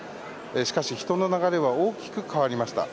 しかし、人の流れは大きく変わりました。